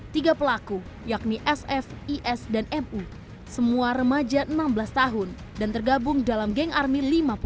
tiga pelaku yakni sf is dan mu semua remaja enam belas tahun dan tergabung dalam geng army lima puluh